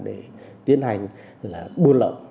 để tiến hành buôn lợn